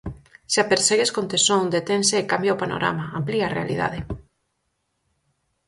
Se a persegues con tesón detense e cambia o panorama, amplía a realidade.